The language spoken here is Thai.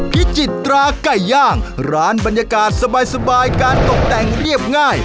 พิจิตราไก่ย่างร้านบรรยากาศสบายการตกแต่งเรียบง่าย